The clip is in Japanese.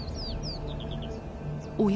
おや？